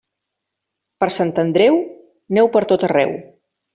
Per Sant Andreu, neu per tot arreu.